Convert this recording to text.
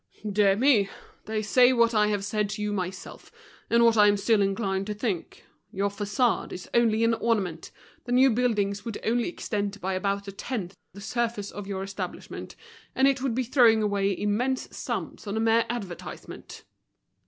"Dear me! they say what I have said to you myself, and what I am still inclined to think. Your façade is only an ornament, the new buildings would only extend by about a tenth the surface of your establishment, and it would be throwing away immense sums on a mere advertisement."